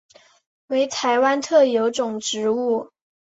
为台湾特有种植物。